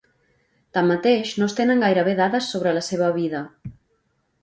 Tanmateix no es tenen gairebé dades sobre la seva vida.